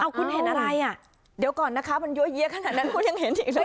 คุณเห็นอะไรอ่ะเดี๋ยวก่อนนะคะมันเยอะแยะขนาดนั้นคุณยังเห็นอีกด้วย